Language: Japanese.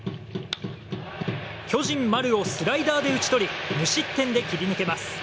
巨人、丸をスライダーで打ち取り無失点で切り抜けます。